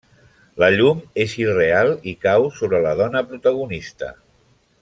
La llum és irreal i cau sobre la dona protagonista.